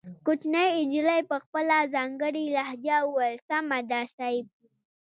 کوچنۍ نجلۍ په خپله ځانګړې لهجه وويل سمه ده صيب.